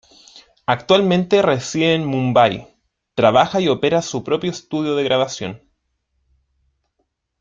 Actualmente reside en Mumbai, trabaja y opera su propio estudio de grabación.